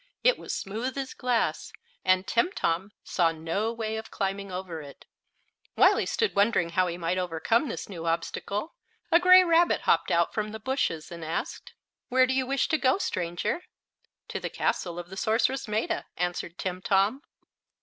It was smooth as glass, and Timtom saw no way of climbing over it. While he stood wondering how he might overcome this new obstacle a gray rabbit hopped out from the bushes and asked: "Where do you wish to go, stranger?" "To the castle of the sorceress Maetta," answered Timtom.